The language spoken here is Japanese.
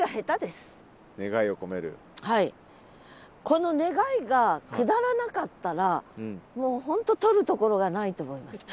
この願いがくだらなかったらもう本当取るところがないと思います。